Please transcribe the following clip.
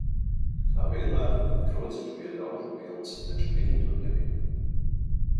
Kā vienmēr, krodziņš bija ļaužu pilns, taču viņa tur nebija.